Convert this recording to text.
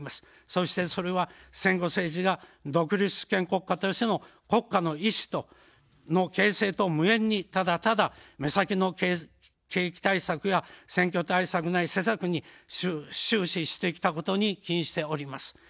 そして、それは戦後政治が独立主権国家としての国家の意志の形成と無縁に、ただただ、目先の景気対策や選挙対策内施策に終始してきたことに起因しております。